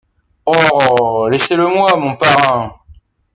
Oh! laissez-le-moi, mon parrain.